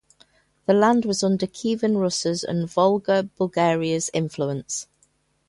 The land was under Kievan Rus' and Volga Bulgaria's influence.